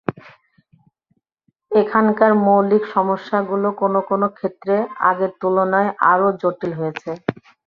এখানকার মৌলিক সমস্যাগুলো কোনো কোনো ক্ষেত্রে আগের তুলনায় আরও জটিল হয়েছে।